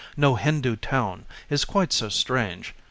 No Hindu town Is quite so strange.